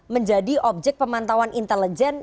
menjadi objek pemantauan intelijen